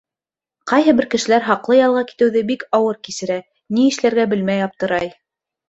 Ҡайһы бер кешеләр хаҡлы ялға китеүҙе бик ауыр кисерә, ни эшләргә белмәй аптырай.